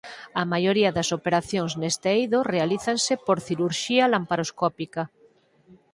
A maioría das operacións neste eido realízanse por cirurxía laparoscópica.